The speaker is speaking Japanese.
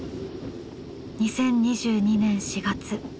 ２０２２年４月。